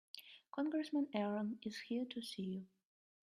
Congressman Aaron is here to see you.